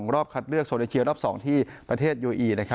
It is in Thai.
รอบคัดเลือกโซเอเชียรอบ๒ที่ประเทศโยอี